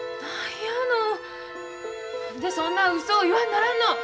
何でそんなうそを言わんならんの！